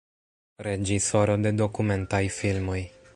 Reĝisoro de dokumentaj filmoj.